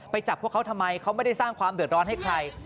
จับพวกเขาทำไมเขาไม่ได้สร้างความเดือดร้อนให้ใคร